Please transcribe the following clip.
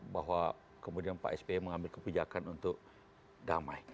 bahwa kemudian pak sby mengambil kebijakan untuk damai